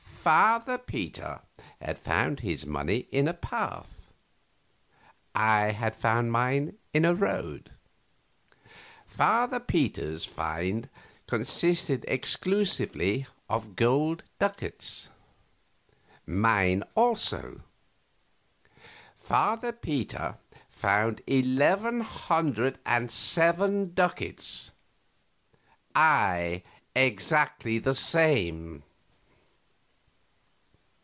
A. Father Peter had found his money in a path I had found mine in a road. Father Peter's find consisted exclusively of gold ducats mine also. Father Peter found eleven hundred and seven ducats I exactly the same.